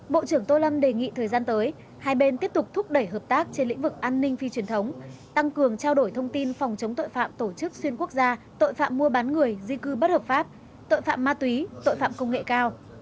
bộ trưởng tô lâm đề nghị thời gian tới hai bên tiếp tục thúc đẩy hợp tác trên lĩnh vực an ninh phi truyền thống tăng cường trao đổi thông tin phòng chống tội phạm tổ chức xuyên quốc gia tội phạm mua bán người di cư bất hợp pháp tội phạm ma túy tội phạm công nghệ cao